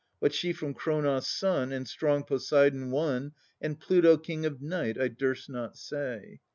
What she from Kronos' son And strong Poseidon won, And Pluto, King of Night, I durst not say.